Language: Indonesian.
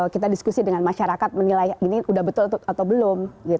kita diskusi dengan masyarakat menilai ini sudah betul atau belum